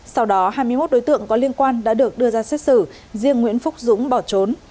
sau đó hai mươi một đối tượng có liên quan đã được đưa ra xét xử riêng nguyễn phúc dũng bỏ trốn